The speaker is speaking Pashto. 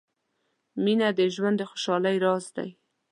• مینه د ژوند د خوشحالۍ راز دی.